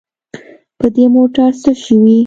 په دې موټر څه شوي.